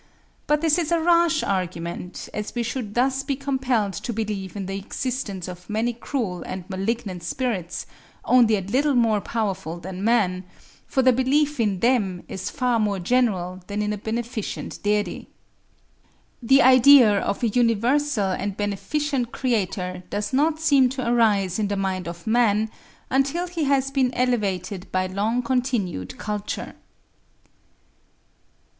But this is a rash argument, as we should thus be compelled to believe in the existence of many cruel and malignant spirits, only a little more powerful than man; for the belief in them is far more general than in a beneficent Deity. The idea of a universal and beneficent Creator does not seem to arise in the mind of man, until he has been elevated by long continued culture.